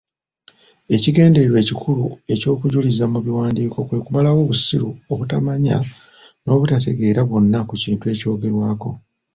Ekigendererwa ekikulu ekyokujuliza mu biwandiiko kwe kumalawo obussiru, obutamanya n'obatategeera bwonna ku kintu ekyogerwako.